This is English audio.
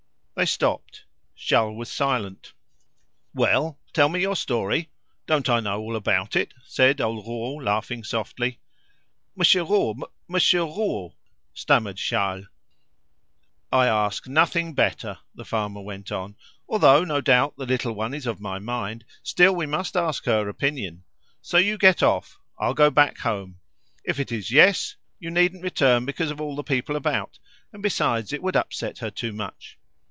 They stopped. Charles was silent. "Well, tell me your story. Don't I know all about it?" said old Rouault, laughing softly. "Monsieur Rouault Monsieur Rouault," stammered Charles. "I ask nothing better", the farmer went on. "Although, no doubt, the little one is of my mind, still we must ask her opinion. So you get off I'll go back home. If it is 'yes', you needn't return because of all the people about, and besides it would upset her too much.